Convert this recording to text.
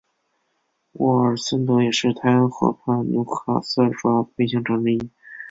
沃尔森德也是泰恩河畔纽卡斯尔的主要卫星城之一。